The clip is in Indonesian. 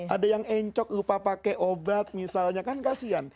ada yang encok lupa pakai obat misalnya kan kasian